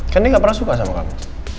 kan dia gak pernah suka sama kamu